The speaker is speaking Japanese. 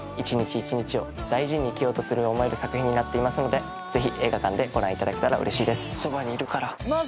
１日１日を大事に生きようと思える作品になっていますのでぜひ映画館でご覧いただけたらうれしいです。